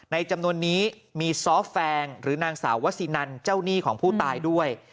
จำนวนนี้มีซ้อแฟงหรือนางสาววซินันเจ้าหนี้ของผู้ตายด้วย